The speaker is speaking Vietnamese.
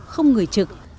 không người trực